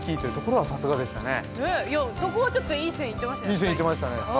いやそこはちょっといい線いってましたね。